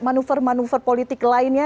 manuver manuver politik lainnya